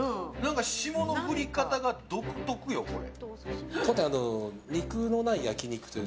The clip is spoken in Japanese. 霜の降り方が独特よ、これ。